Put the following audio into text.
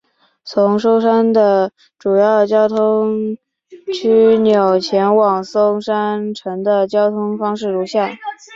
从松山的主要交通枢纽前往松山城的交通方式如下。